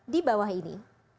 di bawah ini